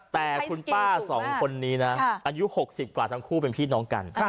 แต่คุณป้าสองคนนี้นะอายุ๖๐กว่าทั้งคู่เป็นพี่น้องกัน